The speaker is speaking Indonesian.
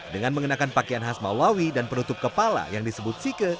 dengan mengenakan pakaian khas maulawi dan penutup kepala yang disebut sike